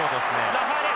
ラファエレ。